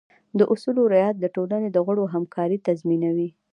د اصولو رعایت د ټولنې د غړو همکارۍ تضمینوي.